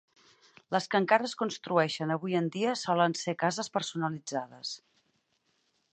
Les que encara es construeixen avui en dia solen ser cases personalitzades.